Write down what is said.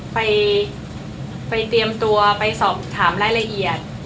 ไปเตรียมตัวไปสอบถามรายละเอียด